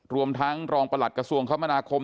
รวมทั้งรองประหลัดกระทรวงคมนาคม